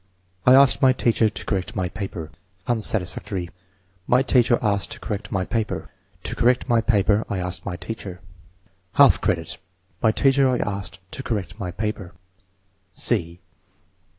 "I asked my teacher to correct my paper. 5 *' Unsatisfactory. "My teacher asked to correct my paper." "To correct my paper I asked my teacher." Half credit. "My teacher I asked to correct my paper."